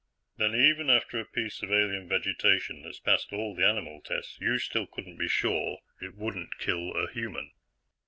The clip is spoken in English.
"Then, even after a piece of alien vegetation has passed all the animal tests, you still couldn't be sure it wouldn't kill a human?"